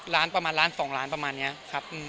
ล้านประมาณล้าน๒ล้านประมาณนี้ครับ